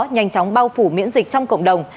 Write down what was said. nhanh chóng bao phủ miễn dịch trong cộng đồng